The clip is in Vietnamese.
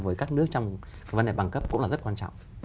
với các nước trong vấn đề băng cấp cũng là rất quan trọng